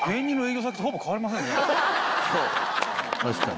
確かに。